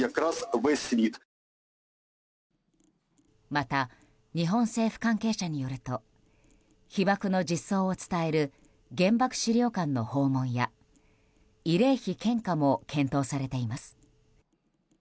また、日本政府関係者によると被爆の実相を伝える原爆資料館の訪問や慰霊碑献花も検討されています。